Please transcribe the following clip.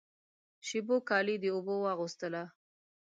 شېبو کالی د اوبو واغوستله